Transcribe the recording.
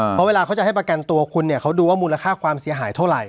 เพราะเวลาเขาจะให้ประกันตัวคุณเนี่ยเขาดูว่ามูลค่าความเสียหายเท่าไหร